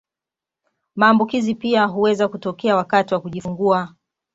Maambukizi pia huweza kutokea wakati wa kujifungua